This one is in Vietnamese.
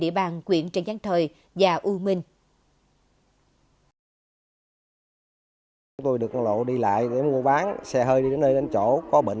địa bàn quyện trần văn thời và u minh ừ tôi được lộ đi lại để mua bán xe hơi đến đây đến chỗ có bệnh